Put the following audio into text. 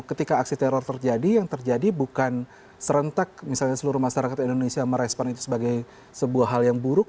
ketika aksi teror terjadi yang terjadi bukan serentak misalnya seluruh masyarakat indonesia merespon itu sebagai sebuah hal yang buruk